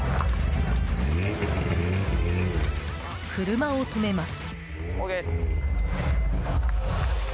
車を止めます。